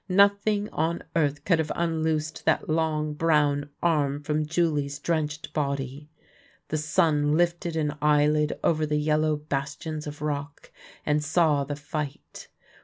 Noth ing on earth could have unloosed that long, brown arm from Julie's drenched body. The sun lifted an eyelid over the yellow bastions of rock, and saw the fight.